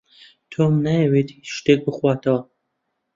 تۆم نایەوێت هێچ شتێک بخواتەوە.